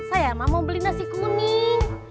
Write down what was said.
saya mau beli nasi kuning